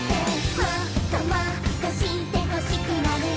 「もっともっと知ってほしくなるよ」